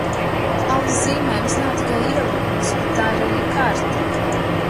Alas zīmējums nav tikai ielūgums, bet tā arī ir karte!